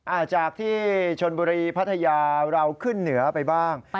จากที่ชนบุรีพัทยาเราขึ้นเหนือไปบ้าง